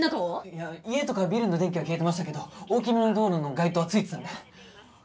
いや家とかビルの電気は消えてましたけど大きめの道路の街灯はついてたんで。